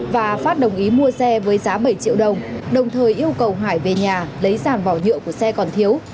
và phát đồng ý mua xe với giá bảy triệu đồng đồng thời yêu cầu hải về nhà lấy giàn bỏ nhựa của xe còn thiếu